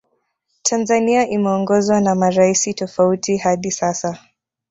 Tanzania imeongozwa na maraisi tofauti hadi sasa